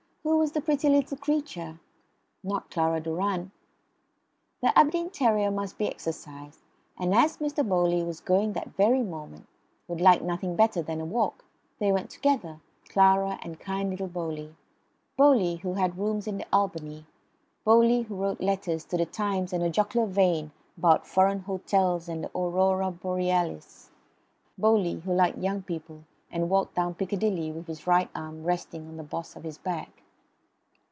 Who was the pretty little creature? Not Clara Durrant. The Aberdeen terrier must be exercised, and as Mr. Bowley was going that very moment would like nothing better than a walk they went together, Clara and kind little Bowley Bowley who had rooms in the Albany, Bowley who wrote letters to the "Times" in a jocular vein about foreign hotels and the Aurora Borealis Bowley who liked young people and walked down Piccadilly with his right arm resting on the boss of his back.